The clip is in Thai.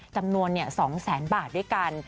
จำนวน๒แสนบาทด้วยกัน